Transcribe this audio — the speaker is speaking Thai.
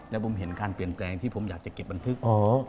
แล้วผมเห็นการเปลี่ยนแปลงที่ผมอยากจะเก็บบันทึก